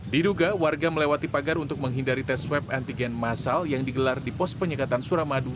diduga warga melewati pagar untuk menghindari tes swab antigen masal yang digelar di pos penyekatan suramadu